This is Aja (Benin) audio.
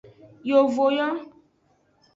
Yovowo.